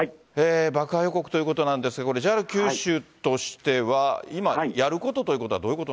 爆破予告ということなんですが、これ、ＪＲ九州としては、今、やることというのは、どういうこ